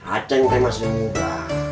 acing teh masih muda